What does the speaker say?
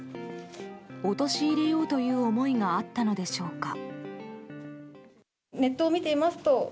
陥れようという思いがあったのでしょうか。